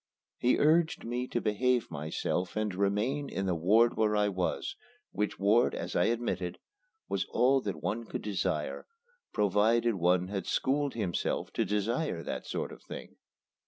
He urged me to behave myself and remain in the ward where I was, which ward, as I admitted, was all that one could desire provided one had schooled himself to desire that sort of thing.